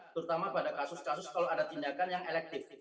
terutama pada kasus kasus kalau ada tindakan yang elektif